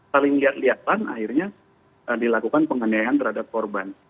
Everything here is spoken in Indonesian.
saling lihat lihatan akhirnya dilakukan penganiayaan terhadap korban